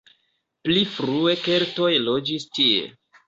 Pli frue keltoj loĝis tie.